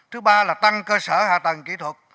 thứ ba là tăng cơ sở hạ tầng kỹ thuật